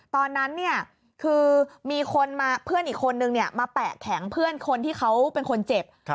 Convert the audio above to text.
ตอนนั้นเนี่ยคือมีคนมาเพื่อนอีกคนนึงมาแปะแข็งเพื่อนคนที่เขาเป็นคนเจ็บ